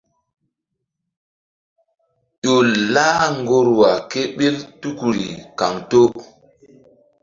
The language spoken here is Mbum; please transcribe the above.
Ƴo lah ŋgorwa kéɓil tukuri kaŋto.